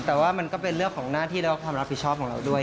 แต่ว่ามันก็เป็นเรื่องของหน้าที่และความรับผิดชอบของเราด้วย